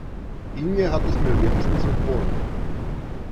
Inge hat es mir wärmstens empfohlen.